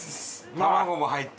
卵も入って。